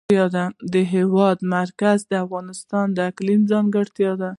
د هېواد مرکز د افغانستان د اقلیم ځانګړتیا ده.